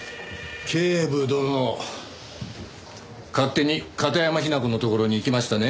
警部殿勝手に片山雛子のところに行きましたね？